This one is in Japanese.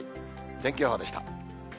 天気予報でした。